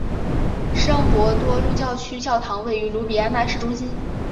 圣伯多禄教区教堂位于卢比安纳市中心。